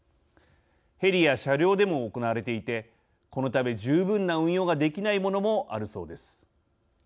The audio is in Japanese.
ヘリや車両でも行われていてこのため、十分な運用ができないものもあるそうです。